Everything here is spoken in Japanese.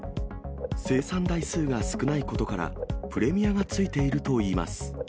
生産台数が少ないことから、プレミアがついているといいます。